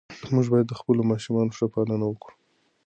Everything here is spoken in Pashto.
موږ باید د خپلو ماشومانو ښه پالنه وکړو.